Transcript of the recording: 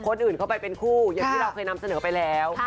คนอื่นเข้าไปเป็นคู่อย่างที่เราเคยนำเสนอไปแล้ว